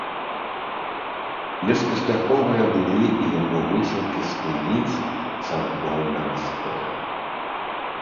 Беспаспяховыя былі і яго высілкі спыніць царкоўны раскол.